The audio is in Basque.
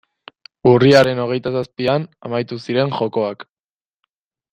Urriaren hogeita zazpian amaitu ziren jokoak.